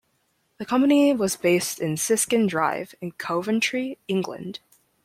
The company was based in Siskin Drive, in Coventry, England.